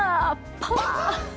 パワー！